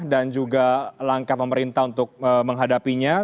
dan juga langkah pemerintah untuk menghadapinya